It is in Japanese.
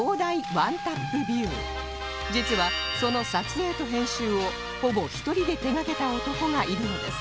実はその撮影と編集をほぼ１人で手がけた男がいるのです